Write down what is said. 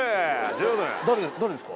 誰ですか？